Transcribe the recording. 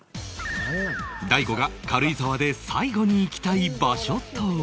大悟が軽井沢で最後に行きたい場所とは？